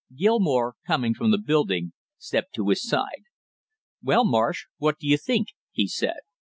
Gilmore, coming from the building, stepped to his side. "Well, Marsh, what do you think?" he said.